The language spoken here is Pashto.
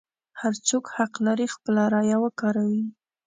هر څوک حق لري خپله رایه وکاروي.